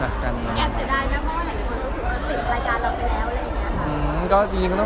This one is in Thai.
เสียแอบเสียดายนะเพราะว่าหลายคนรู้สึกติดรายการเราไปแล้วอะไรอย่างนี้ค่ะ